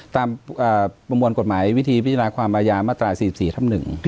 ตามประมวลกฎหมายวิธีพิจารณาความอายามาตรา๔๔ทับ๑